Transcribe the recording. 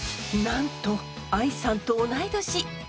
なんと愛さんと同い年。